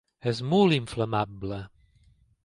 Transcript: És molt inflamable.